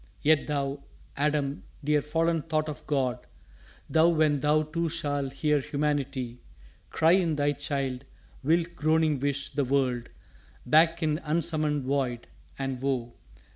Yet thou, Adam, dear fallen thought of God, Thou, when thou too shall hear humanity Cry in thy child, wilt groaning wish the world Back in unsummoned Void! and, woe!